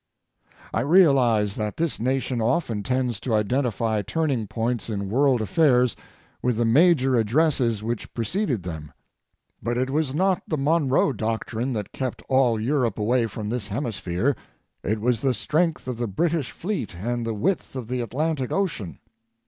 I realize that this Nation often tends to identify turning points in world affairs with the major addresses which preceded them. But it was not the Monroe Doctrine that kept all Europe away from this hemisphere ŌĆō it was the strength of the British fleet and the width of the Atlantic Ocean.